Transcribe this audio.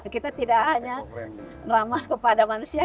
kita tidak hanya ramah kepada manusia